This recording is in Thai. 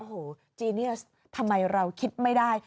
โอ้โหจีเนียสทำไมเราคิดไม่ได้